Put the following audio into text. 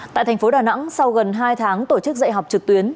tại thành phố đà nẵng sau gần hai tháng tổ chức dạy học trực tuyến